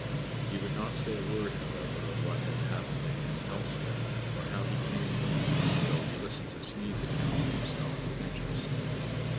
He would not say a word, however, of what had happened to him elsewhere, or how he came there, though We listened to Sneid' s account of himself with 'interest.